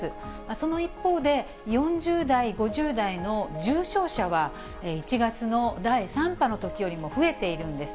その一方で、４０代、５０代の重症者は、１月の第３波のときよりも増えているんです。